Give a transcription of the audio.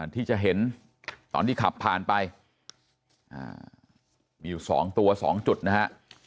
ที่จะเห็นตอนที่ขับผ่านไปมีอยู่๒ตัว๒จุดนะฮะ